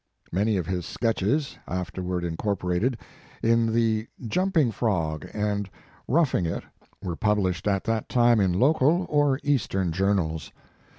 Many of his sketches, afterward incorporated, in "The Jumping Krog" and "Roughing It," were published at that time in local or Eastern journals.